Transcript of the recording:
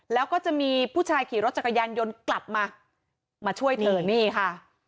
แล้วก็จะมีผู้ชายขี่รถจักรยานยนต์กลับมามาช่วยเธอนี่ค่ะ